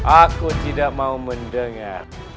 aku tidak mau mendengar